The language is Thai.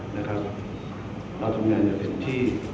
เราทำงานอยากถึงที่